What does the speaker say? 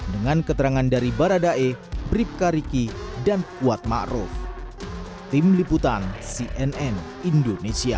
dengan keterangan dari baradae bribka riki dan kuat ma'ruf tim liputan cnn indonesia